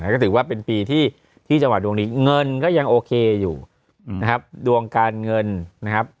ก็ถือว่าเป็นปีที่จังหวัดดวงนี้เงินก็ยังโอเคอยู่นะครับดวงการเงินนะครับ